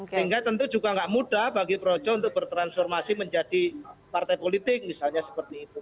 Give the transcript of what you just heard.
sehingga tentu juga nggak mudah bagi projo untuk bertransformasi menjadi partai politik misalnya seperti itu